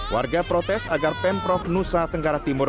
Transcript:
warga protes agar pemprov nusa tenggara timur